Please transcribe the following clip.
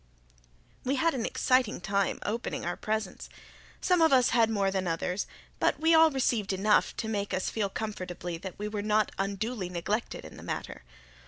We had an exciting time opening our presents. Some of us had more than others, but we all received enough to make us feel comfortably that we were not unduly neglected in the matter.